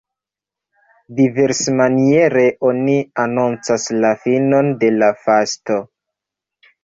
Diversmaniere oni anoncas la finon de la fasto.